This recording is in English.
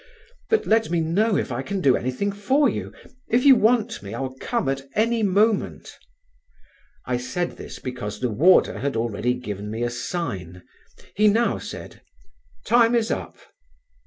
But let me know if I can do anything for you. If you want me, I'll come at any moment." I said this because the warder had already given me a sign; he now said: "Time is up."